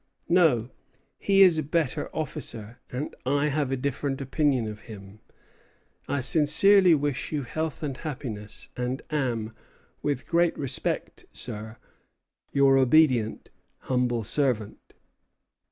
No; he is a better officer, and I have a different opinion of him. I sincerely wish you health and happiness, and am, with great respect, sir, your obedient, humble servant."